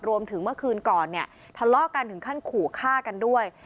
รวมถึงเมื่อคืนก่อนเนี่ยทะเลาะกันถึงขั้นขู่ฆ่ากันด้วย